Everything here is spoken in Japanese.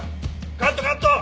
カットカット！